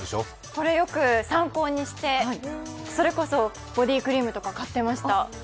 これ、よく参考にしてそれこそボディークリームとか買ってました。